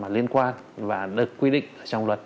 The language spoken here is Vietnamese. liên quan và được quy định trong luật